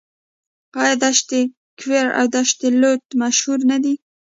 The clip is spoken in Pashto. آیا دشت کویر او دشت لوت مشهورې نه دي؟